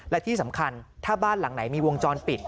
และที่สำคัญถ้าบ้านหลังไหนมีวงจรปิด